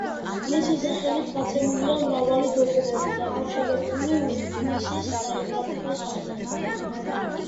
მისი სახელით გაცემულია მრავალი დოკუმენტი, დაკავშირებული ურბნისის საეპარქიო საქმეებთან.